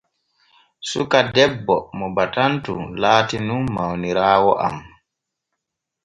Suka debbo mo batanton laati nun mawniraawo am.